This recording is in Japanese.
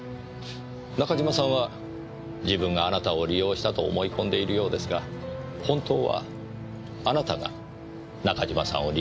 中島さんは自分があなたを利用したと思い込んでいるようですが本当はあなたが中島さんを利用していたんですね？